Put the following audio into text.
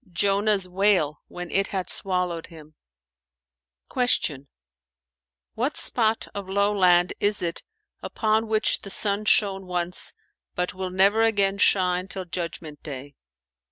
"Jonah's whale, when it had swallowed him." Q "What spot of lowland is it, upon which the sun shone once, but will never again shine till Judgment Day?"